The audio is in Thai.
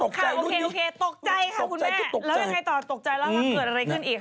ค่ะโอเคตกใจค่ะคุณแม่แล้วยังไงต่อตกใจแล้วว่าเกิดอะไรขึ้นอีกคะ